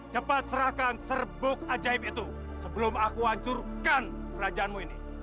cepat serahkan serbuk ajaib itu sebelum aku hancurkan kerajaanmu ini